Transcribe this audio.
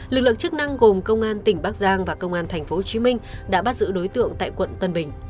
lực lượng chức năng gồm công an tỉnh bắc giang và công an tp hcm đã bắt giữ đối tượng tại quận tân bình